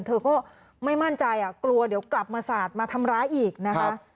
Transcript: เธอก็ไม่มั่นใจกลัวกลับมาสาดแล้วทำร้ายอีกนะคะ